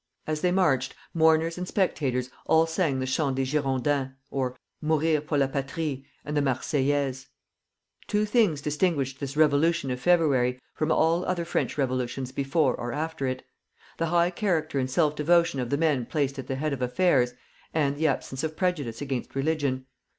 As they marched, mourners and spectators all sang the Chant of the Girondins ("Mourir pour la Patrie") and the "Marseillaise." Two things distinguished this revolution of February from all other French revolutions before or after it, the high character and self devotion of the men placed at the head of affairs, and the absence of prejudice against religion.